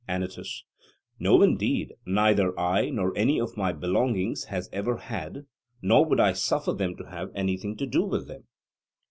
ANYTUS: No, indeed, neither I nor any of my belongings has ever had, nor would I suffer them to have, anything to do with them.